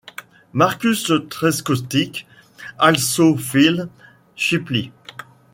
Marcus Trescothick also fell cheaply.